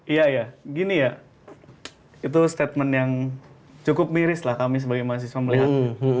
iya ya gini ya itu statement yang cukup miris lah kami sebagai mahasiswa melihat